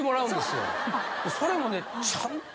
それもね。